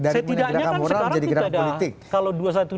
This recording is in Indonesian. dari gerakan moral menjadi gerakan politik